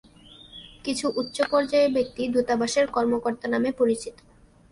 কিছু উচ্চ পর্যায়ের ব্যক্তি দূতাবাসের কর্মকর্তা নামে পরিচিত।